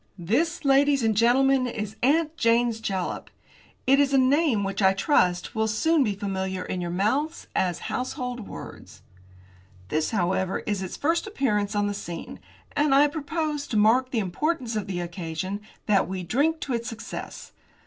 "This, ladies and gentlemen, is 'Aunt Jane's Jalap.' It is a name which I trust will soon be familiar in your mouths as household words. This, however, is its first appearance on the scene, and I propose, to mark the importance of the occasion, that we drink to its success.